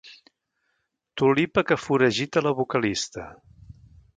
Tulipa que foragita la vocalista.